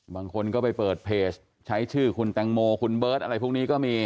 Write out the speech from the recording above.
บางคนก็ไปเปิดเพจใช้ชื่อคุณแตงโมคุณเบิร์ตอะไรพวกนี้ก็มี